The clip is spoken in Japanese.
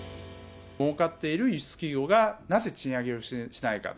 もうかっている輸出企業がなぜ賃上げをしないのか。